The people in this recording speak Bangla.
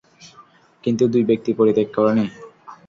কিন্তু দুই ব্যক্তি পরিত্যাগ করেনি।